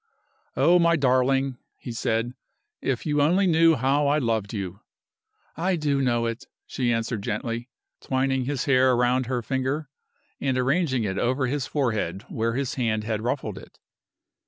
"Oh, my darling," he said, "if you only knew how I loved you!" "I do know it," she answered, gently, twining his hair round her finger, and arranging it over his forehead where his hand had ruffled it.